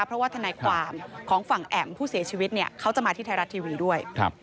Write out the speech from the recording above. เพราะว่าทนายความของฝั่งแอ๋มผู้เสียชีวิตเนี่ยเขาจะมาที่ไทยรัฐทีวีด้วย